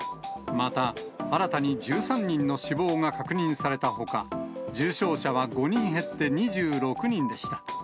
また、新たに１３人の死亡が確認されたほか、重症者は５人減って２６人でした。